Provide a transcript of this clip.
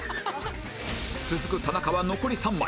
続く田中は残り３枚